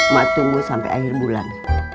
mak tunggu sampe akhir bulan